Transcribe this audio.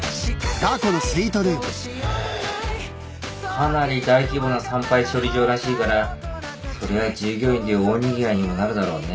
かなり大規模な産廃処理場らしいからそりゃあ従業員で大にぎわいにもなるだろうね。